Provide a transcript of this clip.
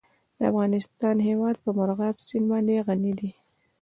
د افغانستان هیواد په مورغاب سیند باندې غني دی.